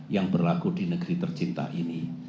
yang berlaku di negeri tercinta ini